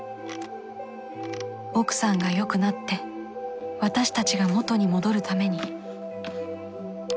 奥さんが良くなって私たちが元に戻るために